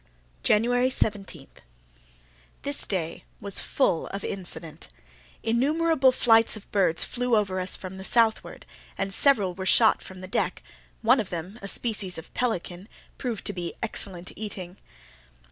January 17.—This day was full of incident. Innumerable flights of birds flew over us from the southward, and several were shot from the deck, one of them, a species of pelican, proved to be excellent eating.